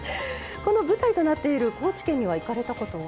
この舞台となっている高知県には行かれたことは？